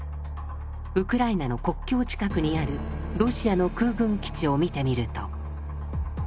ウクライナの国境近くにあるロシアの空軍基地を見てみると。